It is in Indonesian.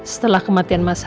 setelah kematian mas har